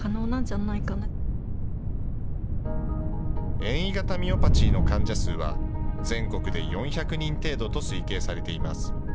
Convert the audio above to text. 遠位型ミオパチーの患者数は全国で４００人程度と推計されています。